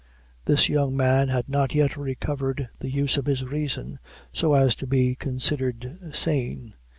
This young man had not yet recovered the use of his reason, so as to be considered sane.